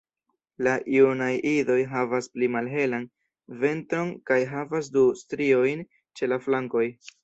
La junaj idoj havas pli malhelan ventron kaj havas du striojn ĉe la flankoj.